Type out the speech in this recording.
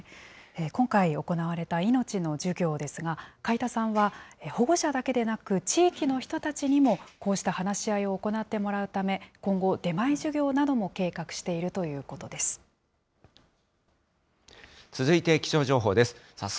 今回、行われた命の授業ですが、開田さんは、保護者だけでなく地域の人たちにもこうした話し合いを行ってもらうため、今後、出前授業なども計画しているというこ続いて気象情報です。